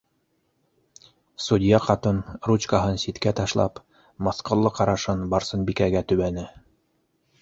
- Судья ҡатын, ручкаһын ситкә ташлап, мыҫҡыллы ҡарашын Барсынбикәгә төбәне.